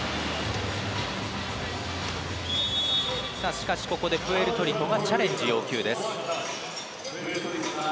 しかし、ここでプエルトリコがチャレンジを要求。